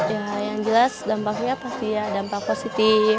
ya yang jelas dampaknya pasti ya dampak positif